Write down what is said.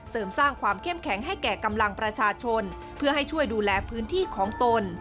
สร้างความเข้มแข็งให้แก่กำลังประชาชนเพื่อให้ช่วยดูแลพื้นที่ของตน